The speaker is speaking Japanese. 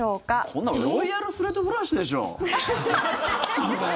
こんなのロイヤルストレートフラッシュでしょ！